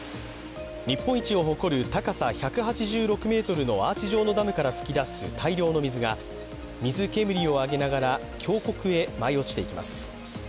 日本一を誇る高さ１８６ｍのアーチ状のダムから噴き出す大量の水が水煙を上げながら峡谷へ舞い落ちていきます。